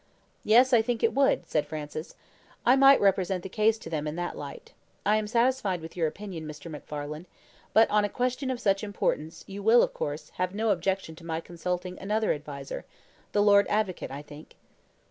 "Yes, I think it would," said Francis. "I might represent the case to them in that light. I am satisfied with your opinion, Mr. MacFarlane; but on a question of such importance, you will, of course, have no objection to my consulting another adviser the Lord Advocate, I think."